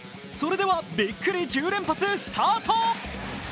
それではビックリ１０連発スタート！